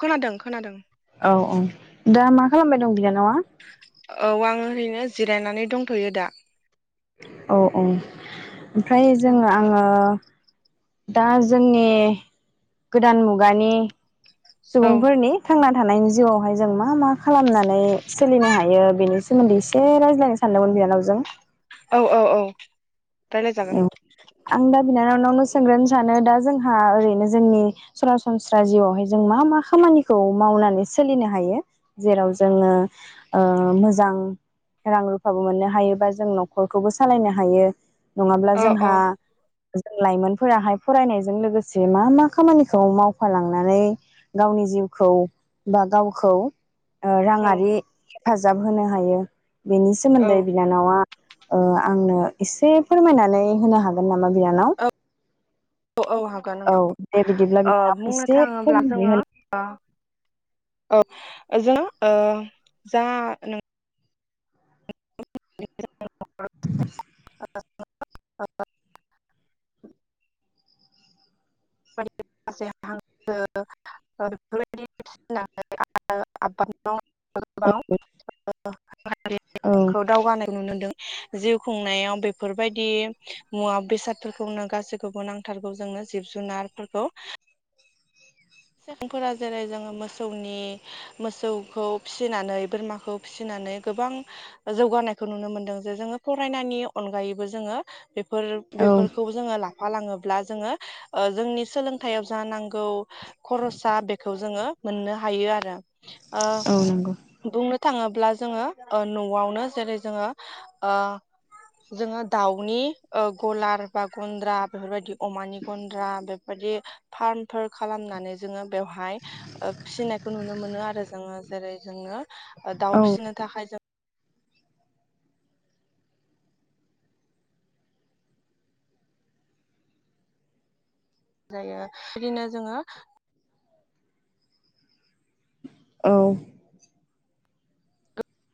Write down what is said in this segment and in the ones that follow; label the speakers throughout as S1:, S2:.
S1: खोनादों खोनादों
S2: औ औ दा मा खालामबाय दं बिनानावा
S1: औ आं ओरैनो जिरायनानै दंथ'यो दा
S2: औ औ ओमफ्राय जोङो आङो दा जोंनि गोदान मुगानि
S1: औ
S2: सुबुंफोरनि थांनानै थानायनि जिउआवहाय जों मा मा खालामनानै सोलिनो हायो बेनि सोमोन्दै एसे रायज्लायनो सानदोंमोन बिनानावजों
S1: औ औ औ रायज्लाय
S2: औ
S1: जागोन
S2: आं दा बिनानानावनो सोंग्रो सानो दा जोंहा ओरैनो जोंनि सरासनस्रा जिउआवहाय जों मा मा खामानिखौ मावनानै सोलिनो हायो जेराव जोङो मोजां रां रुफाबो मोननो हायो बा जों न'खरखौबो सालायनो हायो नङाब्ला
S1: औ औ
S2: जोंहा ज लाइमोनफोराहाय फरायनायजों लोगोसे मा मा खामानिखौ मावफालांनानै गावनि जिउखौ बा गावखौ ओ
S1: औ
S2: राङारि हेफाजाब होनो हायो बेनि
S1: औ
S2: सोमोन्दै बिनानावा ओ आंनो एसे फोरमायनानै होनो हागोन नामा? बिनानाव
S1: औ हागोन
S2: औ
S1: नोंथां
S2: दे बिदिब्ला
S1: ओ
S2: बिनानाव
S1: बुंनो
S2: एसे
S1: थाङोब्ला
S2: फंनैसो
S1: जोङो
S2: होन
S1: औ ओ जोंहा जा नों [unintelligible] [unintelligible] [unintelligible] माखासे हांसो बेफोरबायदि फिनानै आबाद गोबांखौ
S2: औ
S1: दावगानाय नुनो मोन्दों। जिउ खुंनायाव बेफोरबायदि मुवा बेसादफोरखौनो गासैखौबो नांथारगौ जोंनो जिब जु जुनारफोरखौ सुबुंफोरा जेरै जोङो मोसौनि मोसौखौ फिसिनानै बोरमाखौ फिसिनानै गोबां जौगानायखौ नुनो मोनदों जे जोङो फरायनायनि अनगायैबो जोङो। बेफोर
S2: औ
S1: बेफोरखौ जोङो ला फालाङोब्ला जोङो ओ जोंनि सोलोंथाइयाव जा नांगौ खरसा बेखौ जोङो मोननो हायो आरो आ
S2: औ नंगौ।
S1: बुंनो थाङोब्ला जोङो न'आवनो जेरै जोङो ओ जोङो दाउनि गलार बा गुन्द्रा बेफोरबायदि अमानि गन्द्रा बेफोरबायदि फार्मफोर खालामनानै जोङो बेवहाय फिसिनायखौ नुनो मोन मोनो आरो जोङो जेरै जोङो दाउ
S2: औ
S1: फिसिनो थाखाय जों जायो बिदिनो जोङो
S2: औ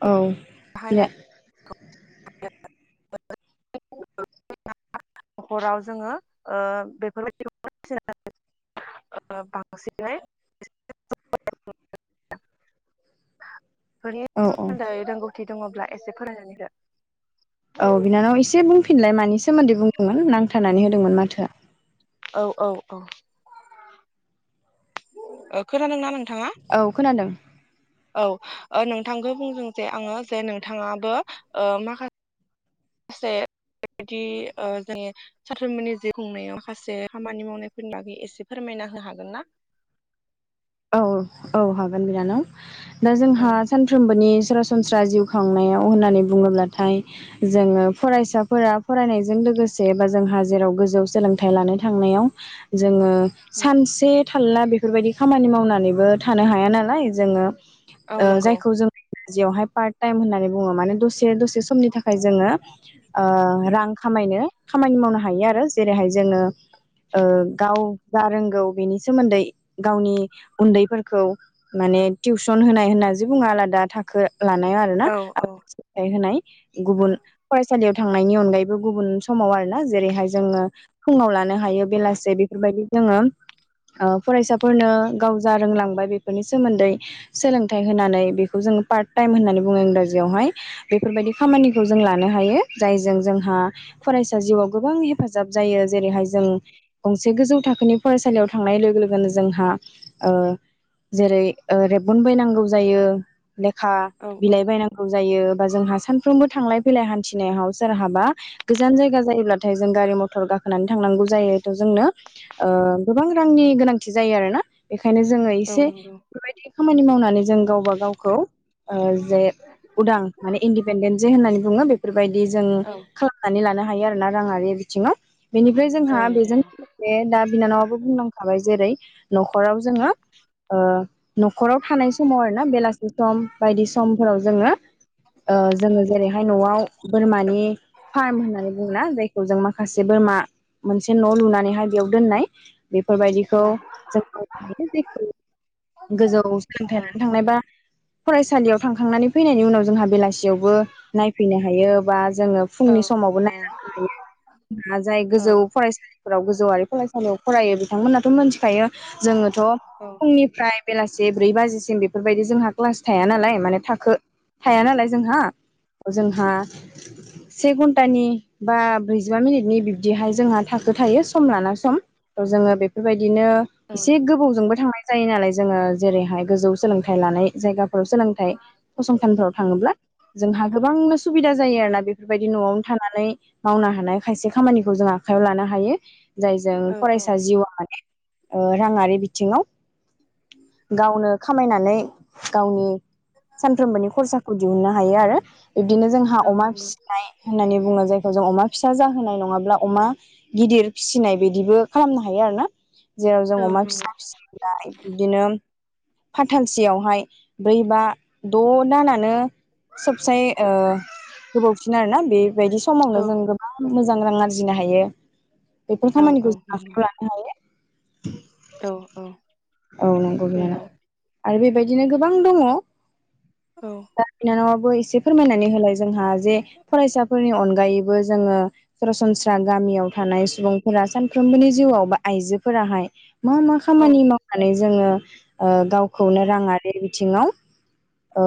S2: औ बिलाय
S1: [unintelligible] हराव जोङो बेफोरबायदि बांसिनै माने
S2: औ औ
S1: सोमोन्दै रोंगौथि गौथि दङब्ला एसे फरायनानै हो
S2: औ बिनानाव एसे बुंफिनलाय मानि सोमोन्दै बुंदोंमोन नांथारनानै होदोंमोन माथोआ
S1: औ औ औ खोनादोंना ना नोंथां। थाङा
S2: औ खोनादों
S1: औ नोंथांखौ बुंदों जे आङो जे नोंथाङाबो ओ माखासे खासे बेबायदि जोंनि सानफ्रोमबोनि जिउ खुंनायाव माखासे खामानि मावनायफोरनि बागै एसे फोरमायना हो हागोन ना?
S2: औ औ हागोन बिनानाव दा
S1: औ
S2: जोंहा सानफ्रोमबोनि सरासनस्रा सनस्रा जिउ खांनायाव होननानै बुङोब्लाथाय जोङो फरायसाफोरा फरायनायजों लोगोसे बा जोंहा जेराव गोजौ सोलोंथाइ लानो थांनायाव जोङो-
S1: औ
S2: सानसे थालना बेफोरबायदिख खामानि मावनानैबो थानो हाया नालाय जोङो
S1: औ
S2: ओ
S1: नंगौ
S2: जायखौ जों जियावहाय पार्ट टाइम होननानै बुङो माने दसे दसे समनि थाखाय जोङो रां खामायनो खामानि मावनो हायो आरो। जेरैहाय जोङो ओ गाव जा रोंगौ बेनि सोमोन्दै- गावनि उन्दैफोरखौ माने टिउसन होनाय होननासो बुङो आलादा थाखो लानायाव आरोना
S1: औ औ
S2: थाय होनाय
S1: औ
S2: गुबुन फरायस सालियाव थांनायनि अनगायैबो गुबुन समाव आरोना जेरैहाय जोङो फुङाव लानो हायो बेलासे बेफोरबायदि जोङो ओ फरायसा फोरनो गाव जा रोंलांबाय बेफोरनि सोमोन्दै सोलोंथाइ होनानै बेखौ जोङो पार्ट टाइम होननानै बुङो इंराजियावहाय बेफोरबायदि खामानिखौ जों लानो हायो जायजों जोंहा फरायसा जिउआव गोबां हेफाजाब जायो जेरैहाय जों गंसे गोजौ थाखोनि फरायसालियाव थांनाय लोगो लोगोनो जों हा ओ जेरै ओ रेबगन बायनांगौ जायो। लेखा
S1: औ औ
S2: बिलाइ बायनांगौ जायो। बा जोंहा सानफ्रोमबो थांलाय फैलाय हानथिनायाव सोरहाबा गोजान जायगा जायगाथाय जों गारि मटर गाखोनानै थांनांगौ जायो थ जोंनो ओ गोबां रांनि गोनांथि जा जायो आरोना बेख ओंखायनो जोङो
S1: औ
S2: एसे
S1: नंगौ
S2: बेफोरबायदि खामानि मावनानै जों गावबा गावखौ ओ जे उदां माने इन्दिपेन्डेन्ट जे होननानै बुङो बेफोर बायदि जों
S1: औ
S2: खालामनानै लानो हा हाइ आरो ना रांयारि बिथिङाव बेनिफ्राय
S1: औ
S2: जोंहा बेजों
S1: नंगौ
S2: लोगोसे दा बिनानावआबो बुंनांखाबाय जेरै- नख'राव जोङो ओ नख'राव थानाय समाव आरोना बेलासि सम बायदि समफोराव जोङो ओ जोङो जेरैहाय नआव बोरमानि फार्म होननानै बुङो ना जायखौ जों माखासे बोरमा मोनसे न लुनानैहाय बेयाव दोननाय
S1: औ
S2: बेफोरबायदिखौ जोंखौ जेखौ गोजौ
S1: औ
S2: सोलोंथाइनानै थांनायबा फरायसालियाव थांखांनानै फैनायनि उनाव जोंहा बेलासियावबो नायफैनो हायो। बास जोङो फुंनि समावबो नायनांगायो जाय
S1: औ
S2: गोजौ फरायसालिफोराव गोजौवारि फरायसालियाव फरायो बिथांमोनाथ मोनथिखायो। जोङोथ
S1: औ
S2: फुंनिफ्राय जा बेलासे ब्रै बाजिसिम बेफोरबादि जोंहा क्लास थाया नालाय माने थाखो थाया नालाय जोंहा जोंहा से घन्टानि बा ब्रैजिबा मिनिटनि बिबदिहाय जोंहा थाखो थायो सम लाना सम ओ जोङो बेफोरबादि बिदिनो एसे गोबावजोंबो थांनाय जायो नालाय जोङो जेरैहाय गोजौ सोलोंथाइ लानाय जायगाफोराव सोलोंथाइ फसंथानफोराव थाङोब्ला जोंहा गोबांनो स सुबिदा जायो आरो
S1: औ
S2: ना बेफोरबायदि नआवनो थानानै मावनो हानाय खायसे खामानिखौ जों आखाइायाव लानो हायो जायजों
S1: औ
S2: फरायसा जिउआ माने ओ राङारि बिथिङाव गावनो खामायनानै गावनि सानफ्रोमबोनि खरसाखौ दिहुननो हायो आरो बिब्दिनो जोंहा
S1: औ
S2: अमा
S1: नंगौ औ नंगौ
S2: फिसिनाय होननानै बुङो जायखौ जों अमा फिसा जाहोनाय नङाब्ला अमा गिदिर फिसिनाय बिदिबो खालामनो हायो आरो ना जेराव जों अमा फिसा
S1: औ
S2: फिसिनाय बिदिनो फाथालसेयावहाय ब्रै बा द' दानानो सबसाय ओ गोबावसिन आरोना बेबायदि समावनो जों गोबां मोजां रां आरजिनो हायो बेफोर
S1: औ नंगौ औ नंगौ औ
S2: खामानिखौ जों आखायाव लानो हायो [unintelligible]
S1: औ औ
S2: औ नंगौ बिनानाव आरो बेबायदिनो गोबां दङ दा बिनानावआ बो एसे फोरमायनानै होलाय जोंहा जे फरायसाफोरनि अनगायैबो जोङो सरासनस्रा गामियाव थानाय सुबुंफोरा सानफ्रोमबोनि जिउआव बा आइजोफोराहाय मा मा खामानि माव नानै जोङो ओ गावखौनो राङारि बिथिङाव ओ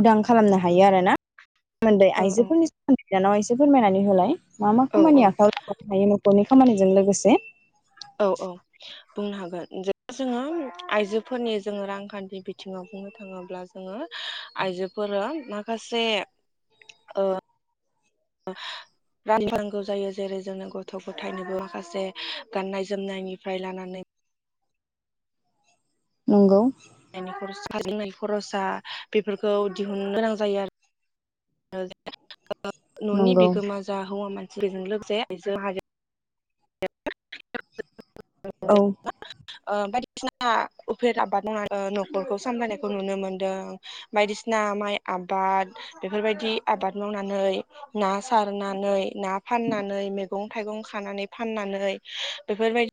S2: उदां खालामनो हायो आरोना सोमोन्दै आइजोफोरनि सोमोन्दै बिनानावा एसे फोरमायनानै होलाय मा मा खामानि आखायाव लानो हायो नखरनि खामानिजों लोगोसे
S1: औ औ बुंनो हागोन जेब्ला जोङो आइजोफोरनि जोङो रांखान्थि बिथिङाव बुंनो थाङोब्ला जोङो आइजोफोरा माखासे ओ रा नांगौ जायो जेरै जोङो गथ' गथायनोबो माखासे गाननाय जोमनायनिफ्राय लानानै
S2: नंगौ
S1: [unintelligible] खरसा लोंनायनि खरसा बेफोरखौ दिहुननो गोनां जायो आरो ओ ओ न'नि
S2: नंगौ
S1: बिगोमा जा हौवा मानसि बेजों लोगोसे आइजो माहारिया आबो
S2: औ
S1: [unintelligible] ओ बायदिसिना उफेरा आबाद मावनानै न'खरखौ सामलायनायखौ नुनो मोनदों बायदिसिना माइ आबाद बेफोरबायदि आबाद मावनानै ना सारनानै ना फाननानै मैगं थाइगं खानानै फाननानै बेफोरबायदि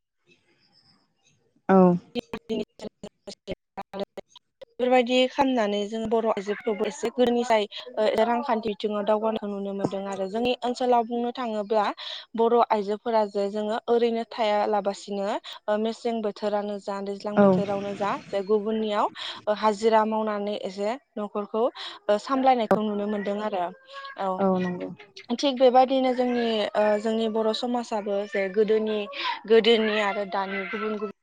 S2: [inaudible]
S1: [unintelligible] [unintelligible] बेफोरबायदि खालामनानै जों बर आइजोफोरखौबो एसे गोरों जायो ओ रांखान्थि बिथिङाव दावगानायखौ नुनो मोनदों आरो जोंनि ओनसोलाव बुंनो थाङोब्ला बर आइजोफोरा जे जोङो ओरैनो थायालाबसिनो ओ मेसें बोथोरानो जा दैज्लां
S2: औ
S1: बोथोरावनो जा जे गुबुननियाव ओ हाजि रा मावनानै एसे नखरखौ ओ सामलायनायखौ नुनो मोनदों आरो औ थिग बेबायदि बिदिनो जोंनि ओ जोंनि बर समाजाबो जे गोदोनि गोदोनि आरो दानि गुबुन गुबुन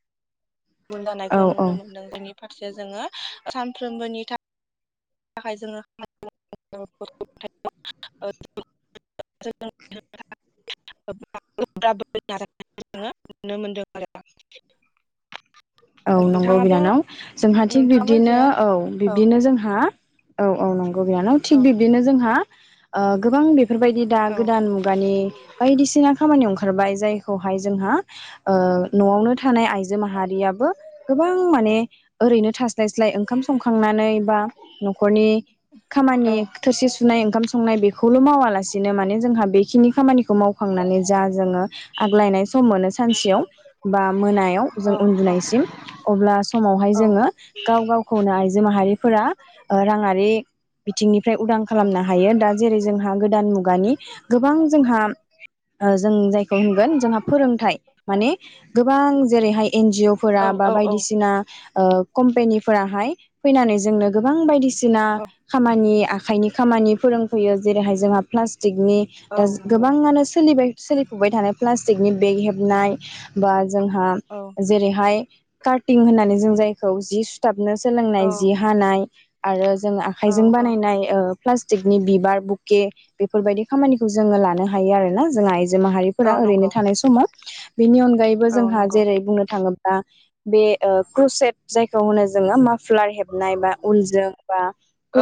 S1: गुबुन
S2: औ
S1: जानायखौ
S2: औ
S1: नुनो मोनदों जोंनि फारसे जोङो सानफ्रोमबोनि थाखाय थाखाय जोङो [unintelligible]
S2: [unintelligible]
S1: [unintelligible] नुनो मोनदों आरो
S2: औ नंगौ
S1: नोंथाङाबो
S2: बिनानाव जोंहा थिग
S1: नोंथाङाबो
S2: बिब्दिनो
S1: जे
S2: औ
S1: औ
S2: बिब्दिनो जोंहा औ औ नंगौ [unintelligible] नंगौ बिनानाव
S1: औ
S2: थिग बिबदिनो जोंहा ओ गोबां बेफोरबायदि दा
S1: औ
S2: गोदान मुगानि बायदिसिना खामानियाव ओंखार खारबाय जायखौहाय जोंहा नआवनो थानाय आइजो माहारियाबो गोबां माने ओरैनो थास स्लाय स्लाय ओंखाम संखांनानै बा नखरनि खामानि
S1: औ
S2: थोरसि सुनाय ओंखाम संनाय बे बेखौल मावालासिनो माने जोंहा बेखिनि खामानिखौ मावखांनानै जा जोङो आग्लायनाय सम मोनो सानसेयाव बा मोनायाव
S1: औ
S2: जों उन्दुनायसिम अब्ला समावहाय
S1: औ
S2: जोङो गाव गावखौनो आइजो माहारि फोरा राङारि बिथिंनि फ्राय उदां खालामनो हायो दा जेरै जोंहा गोदान मुगानि गोबां जोंहा ओ जों जायखौ होनगोन जोंहा फोरोंथाइ माने गोबां जेरैहाय एन जिअ फोरा बायदिसिना ओ कम्पेनि फोराहाय फैनानै जोंनो गोबां बायदिसि सिना खामानि आखाइनि खामानि फोरोंफैयो जेरैहाय जोंहा प्लास टिकनि दा गोबाङानो सोलिबाय सोलिफुबाय थानाय प्लास टिकनि बेग हेबनाय बाज जोंहा जेरैहाय कार्टिं होननानै जों जायखौ जि सुथाब बिनो
S1: औ
S2: सोलोंनाय जि हानाय आरो जों
S1: औ
S2: आखाइजों
S1: औ
S2: बानायनाय ओ प्लास्टिकनि बिबार बुके बेफोरबायदि खामानि खौ जोङो लानो हायो आरोना जोंहा आइजो
S1: औ
S2: माहारिफोरा ओरैनो
S1: नंगौ
S2: थानाय समाव बेनि अनगायैबो
S1: औ नंगौ औ
S2: जोंहा
S1: नंगौ
S2: जेरै बुंनो थाङो दा बे ओ क्रुसेट जायखौ होनो जोङो मा फ्लार हेबनाय बा उलजों बा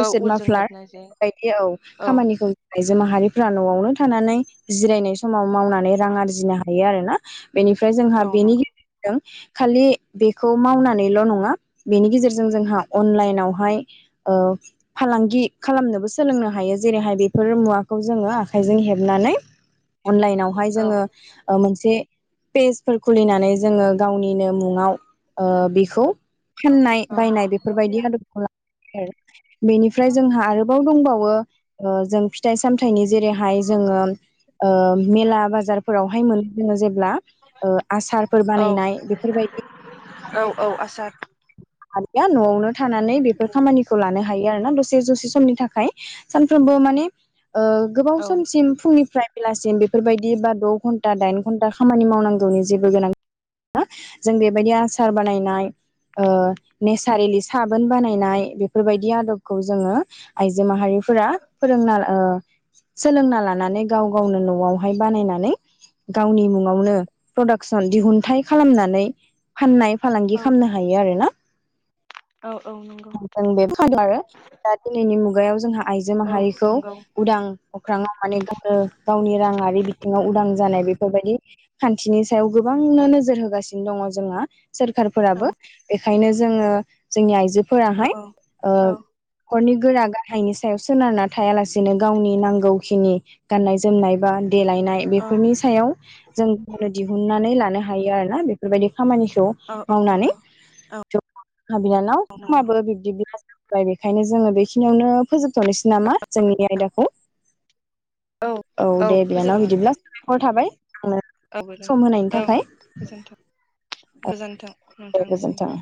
S1: औ
S2: मा
S1: उलजों
S2: फ्लार
S1: हेबनाय जे
S2: बेफोरबायदि औ खामानिखौ आइजो माहारिफोरा न'आवनो थानानै जिरायनाय समाव मावनानै रां आरजिनो हायो आरोना बेनिफ्राय जोंहा
S1: औ
S2: बेनि
S1: नंगौ
S2: गेजेरजों खालि बेखौ मावनानैल' नङा बेनि गेजेरजों जोंहा अनलाइनावहाय ओ फालांगि खालामनोबो सोलोंनो हायो जेरैहाय बेफोर मुवाखौ जोङो आखाइजों हेबनानै अनलाइनाववहाय
S1: औ
S2: जोङो ओ मोनस से पेजफोर खुलिनानै जोङो गावनिनो मुङाव ओ बेखौ फाननाय
S1: औ
S2: बायनाय बेफोरबायदि आदबखौ ला ए बेनिफ्राय जोंहा आरोबाव दंबावो ओ जों फिथाइ सामथाइनि जेरैहाय जोङो ओ मेला बाजारफोराव बेहाय मोनो जेब ब्ला ओ आसारफोर
S1: औ
S2: बानायनाय बेफोरबायदि
S1: औ औ आसार
S2: आख न'वावनो थानानै बेफोर खामानिखौ लानो हायो आरोना दसे दसे समनि थाखाय सानफ्रामबो माने ओ गोबाव
S1: औ
S2: समसिम फुंनि फ्राय बेलासिम बेफोरबायदि बा द' घन्टा दाइन घन्टा खामानि मावनांगौनि जेबो ओ नेसारेलि साबोन बानायनाय बेफोरबायदि आदबखौ जोङो आइजो माहारिफोरा फोरोंना ओ सोलोंना लानानै गाव गावनो न'आवहाय बानायनानै गावनि मुङावनो प्रडाक्सन दिहुनन्थाइ खालामनानै फाननाय फालांगि
S1: औ
S2: खालामनो आरो ना
S1: औ औ नंगौ
S2: जों बेबो आरो दा दिनैनि मुग [unintelligible] याव जोंहा आइजो
S1: औ
S2: माहारिखौ
S1: नंगौ
S2: उदां अख्राङाव माने गावनो गावनि राङारि बिथिङाव उदां जानाय बे फोरबायदि खान्थिनि सायाव गोबांनो नोजोर होगासिनो दङ जोंहा
S1: औ
S2: सोरखारफोराबो बेखायनो जोङो जोंनि आइजो
S1: औ
S2: फोराहाय ओ
S1: औ
S2: खरनि गोरा गाहायनि सायाव सोनारना थायालासेनो गावनि नांगौखिनि गाननाय जोमनाय बा देलायनाय बेफोरनि सायाव जों गावनो दिहुननानै लानो हा हायो आरो ना बेफोरबायदि खामानिखौ
S1: औ औ
S2: मावनानै
S1: नंगौ
S2: [unintelligible]
S1: औ
S2: जोबबाय
S1: नंगौ
S2: बेखायनो जोङो बेखिनियावनो फोजोब थनोसै नामा जोंनि आयदाखौ औ दे बिनानाव बिदिब्ला साबायखर थाबाय आंनो
S1: औबो दे
S2: सम होनायनि
S1: औ
S2: थाखाय
S1: गोजोनथों गोजोनथों
S2: दे गोजोनथों